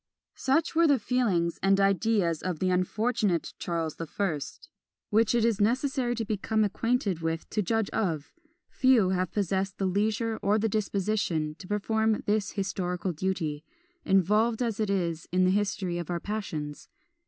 " Such were the feelings and ideas of the unfortunate Charles the First, which it is necessary to become acquainted with to judge of; few have possessed the leisure or the disposition to perform this historical duty, involved as it is in the history of our passions.